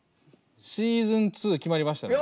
シーズン２決まりましたね。